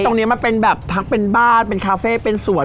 ตรงนี้มันเป็นแบบทั้งเป็นบ้านเป็นคาเฟ่เป็นสวน